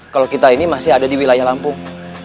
kalau kita ini masih ada di wilayah lampung